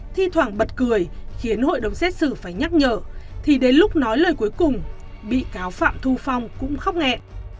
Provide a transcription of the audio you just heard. thi thoảng bật cười khiến hội đồng xét xử phải nhắc nhở thì đến lúc nói lời cuối cùng bị cáo phạm thu phong cũng khóc nghẹ